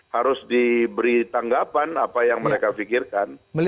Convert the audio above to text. harus diberi tanggapan apa yang mereka pikirkan